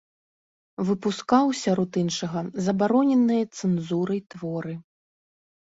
Выпускаў, сярод іншага, забароненыя цэнзурай творы.